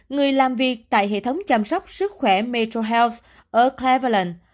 người làm việc tại hệ thống chăm sóc sức khỏe metrohealth ở cleveland